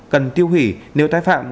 cần tiêu hủy nếu tái phạm